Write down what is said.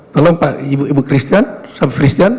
tolong pak ibu christian